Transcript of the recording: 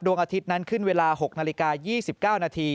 อาทิตย์นั้นขึ้นเวลา๖นาฬิกา๒๙นาที